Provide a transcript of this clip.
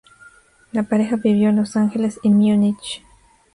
La pareja vivió en Los Ángeles y Múnich.